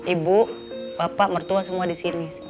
ibu bapak mertua semua di sini